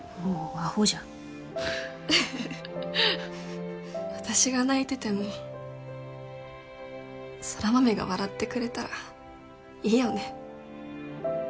アホじゃ私が泣いてても空豆が笑ってくれたらいいよね